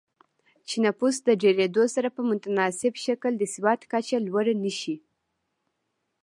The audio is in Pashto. چې نفوس د ډېرېدو سره په متناسب شکل د سواد کچه لوړه نه شي